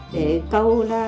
để cầu lọc trong một năm